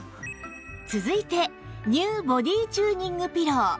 続いて ＮＥＷ ボディチューニングピロー